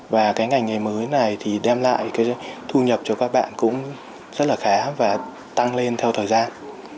và cái ngành nghề mới này thì đem lại cái thu nhập cho các bạn cũng rất là khá và tăng lên theo thời gian